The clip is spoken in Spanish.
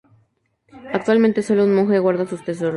Actualmente, sólo un monje guarda sus tesoros.